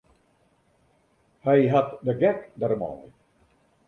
Hy hat de gek dermei.